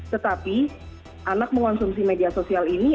tetapi anak mengonsumsi media sosial ini